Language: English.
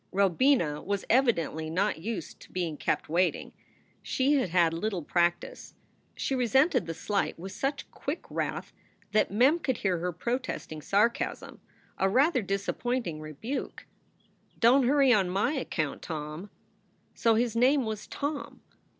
Robina was evidently not used to being kept waiting. She had had little practice. She resented the slight with such quick wrath that Mem could hear her protesting sarcasm, a rather disappointing rebuke : "Don t hurry on my account, Tom." So his name was Tom